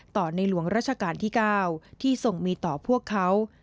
ในหลวงราชการที่๙ที่ทรงมีต่อพวกเขา